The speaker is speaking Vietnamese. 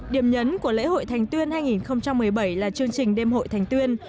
điểm nhấn của lễ hội thành tuyên hai nghìn một mươi bảy là chương trình đêm hội thành tuyên